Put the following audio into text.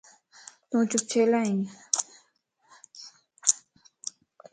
تون چپ ڇيلائين؟